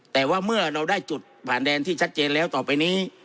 แต่ว่าเมื่อเราได้จุดผ่านแดนที่ชัดเจนแล้วต่อไปนี้